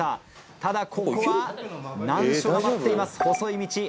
ただここは難所が待っています細い道。